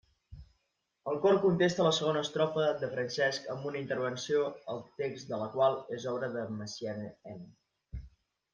El cor contesta la segona estrofa de Francesc amb una intervenció el text de la qual és obra de Messiaen.